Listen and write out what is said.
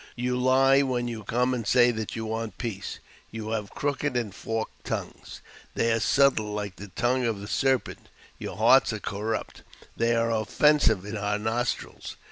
You lie when you come and say that you want peace. You have crooked and forked tongues : they are subtle like the tongue of the serpent. Your hearts are corrupt : they are of fensive in our nostrils.